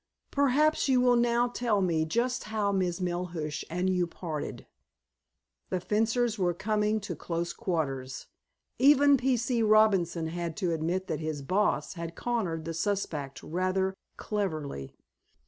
"Perhaps you will now tell me just how Miss Melhuish and you parted." The fencers were coming to close quarters. Even P. C. Robinson had to admit that his "boss" had cornered the suspect rather cleverly.